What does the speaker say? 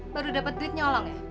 baru dapet duit nyolong ya